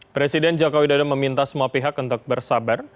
presiden jokowi dada meminta semua pihak untuk bersabar